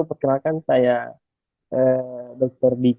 perkenalkan saya dokter diki